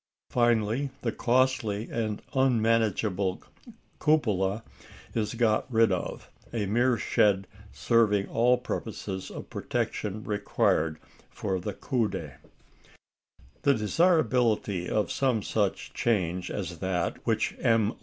Finally, the costly and unmanageable cupola is got rid of, a mere shed serving all purposes of protection required for the "coudé." The desirability of some such change as that which M.